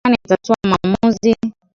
kiongozi anayeingia madarakani atatoa maamuzi